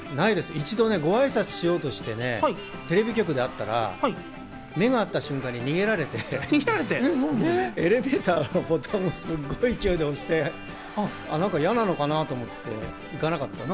一度、ごあいさつをしようとしてテレビ局で会ったら目が合った瞬間に逃げられて、エレベーターのボタンをすごい勢いで押して何か嫌なのかなと思って行かなかったんです。